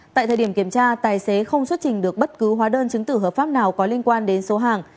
tại thời điểm kiểm tra tài xế không xuất trình được bất cứ hóa đơn chứng tử hợp pháp nào có liên quan đến số hàng